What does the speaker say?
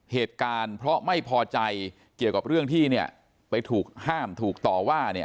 เหตุการณ์เพราะไม่พอใจเกี่ยวกับเรื่องที่เนี่ยไปถูกห้ามถูกต่อว่าเนี่ย